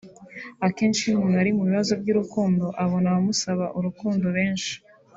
Akenshi iyo umuntu ari mu bibazo by’urukundo abona abamusaba urukundo benshi